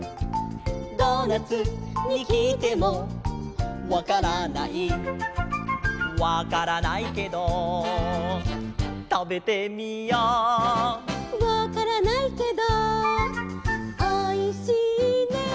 「ドーナツにきいてもわからない」「わからないけどたべてみよう」「わからないけどおいしいね」